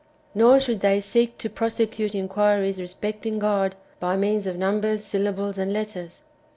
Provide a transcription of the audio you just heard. Nor should they j/ seek to prosecute inquiries respecting God by means of num bers, syllables/ and letters.